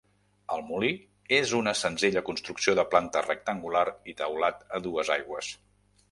El molí és una senzilla construcció de planta rectangular i teulat a dues aigües.